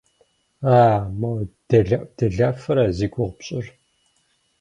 А-а, мо делэӏуделафэра зи гугъу пщӏыр?